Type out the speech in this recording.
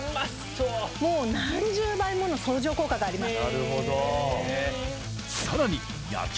もう何十倍もの相乗効果があります